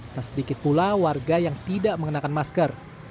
tak sedikit pula warga yang tidak mengenakan masker